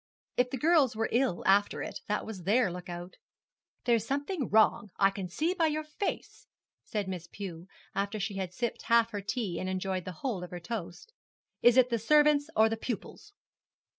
If the girls were ill after it, that was their look out. 'There's something wrong, I can see by your face, said Miss Pew, after she had sipped half her tea and enjoyed the whole of her toast; 'is it the servants or the pupils?'